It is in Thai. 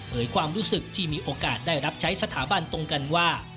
ความรู้สึกที่มีโอกาสได้รับใช้สถาบันตรงกันว่า